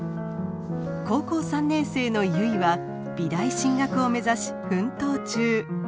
高校３年生の結は美大進学を目指し奮闘中。